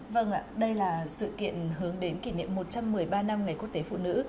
vâng ạ đây là sự kiện hướng đến kỷ niệm một trăm một mươi ba năm ngày quốc tế phụ nữ